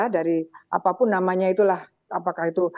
dari apapun namanya itulah